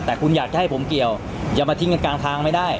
แต่คุณอยากจะให้ผมเกี่ยวอย่ามาทิ้งกันกลางทางไม่ได้